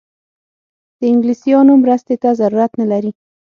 د انګلیسیانو مرستې ته ضرورت نه لري.